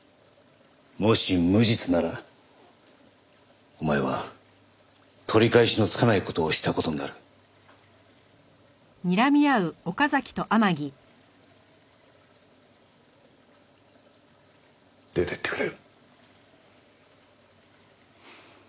もし無実ならお前は取り返しのつかない事をした事になる。出てってくれ。